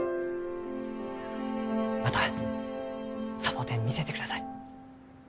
またサボテン見せてください。